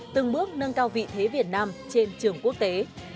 từng bước nâng cao vị thế việt nam trên trường quốc tế